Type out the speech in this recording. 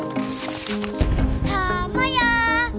たまや！